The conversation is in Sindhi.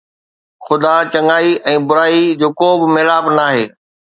خدا، چڱائي ۽ برائي جو ڪو به ميلاپ ناهي.